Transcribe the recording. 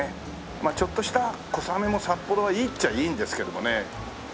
まあちょっとした小雨も札幌はいいっちゃいいんですけどもね。